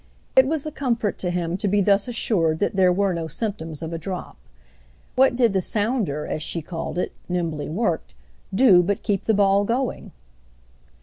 It was a comfort to him to be thus assured that there were no symptoms of a drop. What did the sounder, as she called it, nimbly worked, do but keep the ball going?